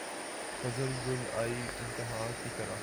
فصل گل آئی امتحاں کی طرح